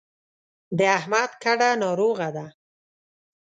د احمد کډه ناروغه ده.